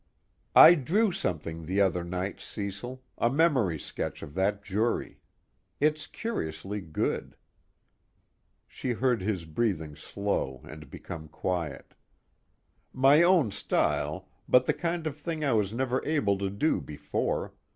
"I drew something the other night, Cecil, a memory sketch of that jury. It's curiously good." She heard his breathing slow and become quiet. "My own style, but the kind of thing I was never able to do before.